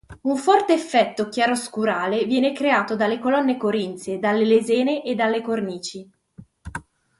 Un forte effetto chiaroscurale viene creato dalle colonne corinzie, dalle lesene e dalle cornici.